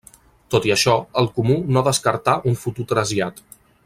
Tot i això, el comú no descartà un futur trasllat.